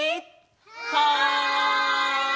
はい！